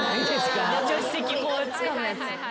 助手席つかむやつ。